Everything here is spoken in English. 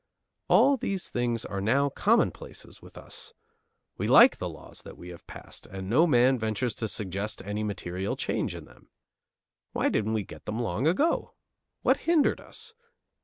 All these things are now commonplaces with us. We like the laws that we have passed, and no man ventures to suggest any material change in them. Why didn't we get them long ago? What hindered us?